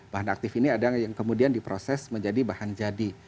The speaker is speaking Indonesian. bahan aktif ini ada yang kemudian diproses menjadi bahan jadi